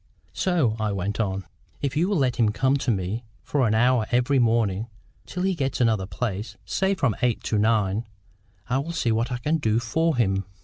"So," I went on, "if you will let him come to me for an hour every morning, till he gets another place, say from eight to nine, I will see what I can do for him."